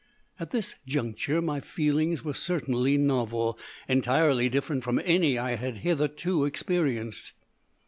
At this juncture my feelings were certainly novel entirely different from any I had hitherto experienced.